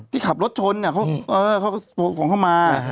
ที่ขับรถช้นเขาพงเข้ามา